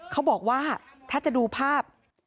เขาบอกว่าถ้าจะดูภาพ